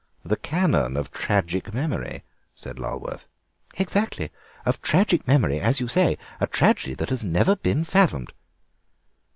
"The Canon of tragic memory," said Lulworth. "Exactly, of tragic memory, as you say; a tragedy that has never been fathomed."